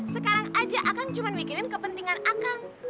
sekarang aja akang cuma mikirin kepentingan akang